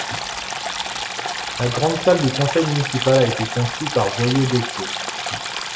La grande salle du conseil municipal a été conçu par Voyer Gauthier.